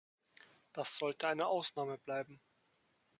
Das sollte eine Ausnahme bleiben.